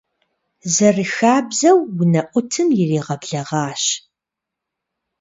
Зэрыхабзэу унэӀутым иригъэблэгъащ.